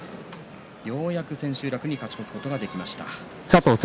ようやく千秋楽勝ち越すことができました。